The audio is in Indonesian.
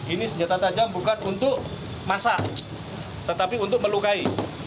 ini senjata tajam bukan untuk masa tetapi untuk melukai